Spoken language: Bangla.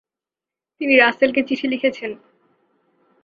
তিনি রাসেলকে চিঠি লিখেছেন।